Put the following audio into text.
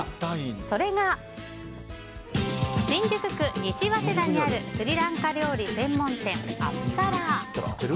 それが新宿区西早稲田にあるスリランカ料理専門店アプサラ。